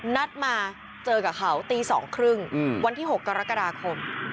นัดมาเจอกับเขาตี๒๓๐วันที่๖กรกฎาคม